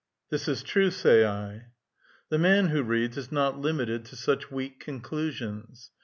''This is true,'* say I. The man who reads is not limited to such weak conclusions.